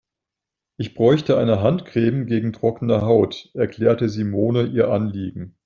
Ich bräuchte eine Handcreme gegen trockene Haut, erklärte Simone ihr Anliegen.